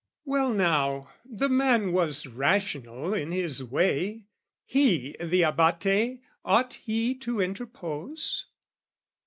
Well now, the man was rational in his way He, the Abate, ought he to interpose?